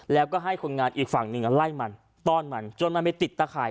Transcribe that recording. แล้วก็ให้คนงานอีกฝั่งหนึ่งไล่มันต้อนมันจนมันไปติดตะข่าย